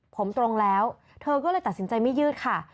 ผมตรงแล้วเธอก็เลยตัดสินใจไม่ยืดค่ะ